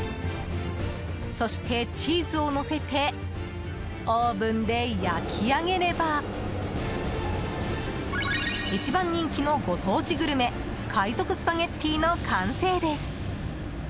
そして、チーズをのせてオーブンで焼き上げれば一番人気のご当地グルメ海賊スパゲッティの完成です。